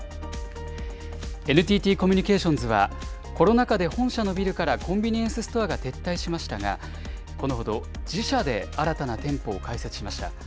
ＮＴＴコミュニケーションズは、コロナ禍で本社のビルからコンビニエンスストアが撤退しましたが、このほど自社で新たな店舗を開設しました。